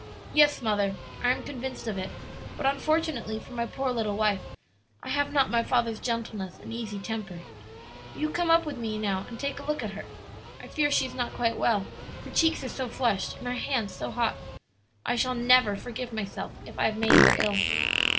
"Yes, mother, I am convinced of it; but unfortunately for my poor little wife, I have not my father's gentleness and easy temper. Will you come up with me now and take a look at her? I fear she is not quite well her cheeks are so flushed and her hands so hot. I shall never forgive myself if I have made her ill."